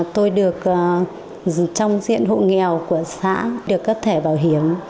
tôi được trong diện hộ nghèo của xã được cấp thẻ bảo hiểm